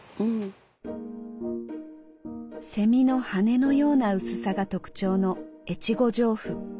セミの羽のような薄さが特徴の越後上布。